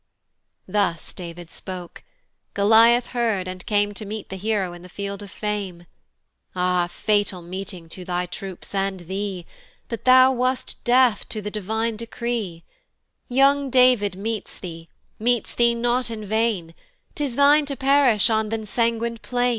Thus David spoke; Goliath heard and came To meet the hero in the field of fame. Ah! fatal meeting to thy troops and thee, But thou wast deaf to the divine decree; Young David meets thee, meets thee not in vain; 'Tis thine to perish on th' ensanguin'd plain.